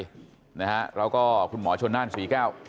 แล้วก็คุณหมอชนนั่นศรีแก้ว